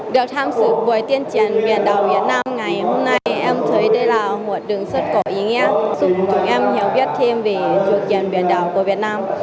được tham dự với tuyên truyền biển đảo việt nam ngày hôm nay em thấy đây là một đường xuất cổ ý nghĩa giúp chúng em hiểu biết thêm về tuyên truyền biển đảo của việt nam